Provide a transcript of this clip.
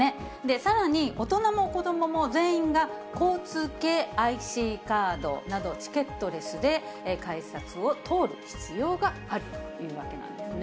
さらに大人も子どもも全員が交通系ＩＣカードなど、チケットレスで改札を通る必要があるというわけなんですね。